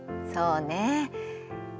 そうね。